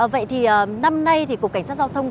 vậy thì năm nay thì cục cảnh sát giao thông